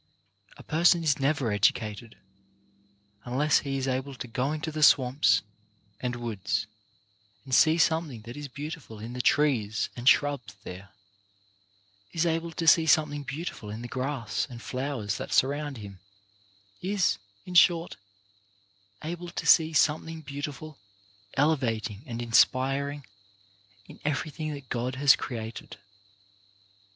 A person is never educated until he is able to go into the swamps and woods and see something that is beautiful in the trees and shrubs there, is able to see something beautiful in the grass and flowers THE HIGHEST EDUCATION 117 that surround him, is, in short, able to see some thing beautiful, elevating and inspiring in every thing that God has created.